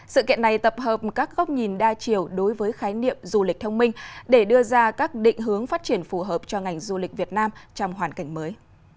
sự kiện này tập hợp các góc nhìn đa chiều đối với khái niệm du lịch thông minh để đưa ra các định hướng phát triển phù hợp cho ngành du lịch việt nam trong hoàn cảnh mới